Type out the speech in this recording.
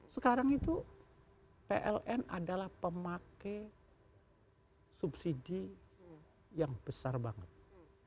sekarang itu pln adalah pemakai subsidi yang besar banget